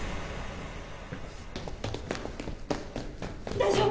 大丈夫！？